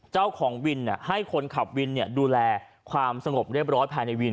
เจ้าของวินให้คนขับวินดูแลความสงบเรียบร้อยภายในวิน